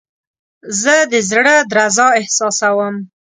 زه د زړه درزا احساسوم.